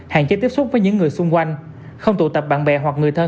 hạn chế tiếp xúc với những người xung quanh không tụ tập bạn bè hoặc người thân